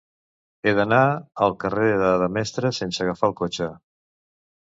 He d'anar al carrer de Demestre sense agafar el cotxe.